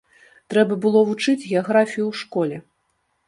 Трэба было вучыць геаграфію ў школе.